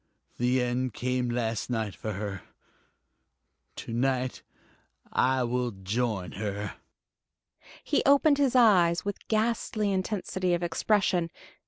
The end came last night for her to night I will join her." He opened his eyes with ghastly intensity of expression.